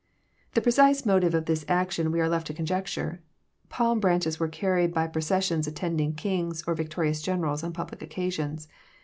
'] The pre cise motive of this action we are left to conjecture. Palm branches were carried by processions attending kings or victo rious generals on public occasions.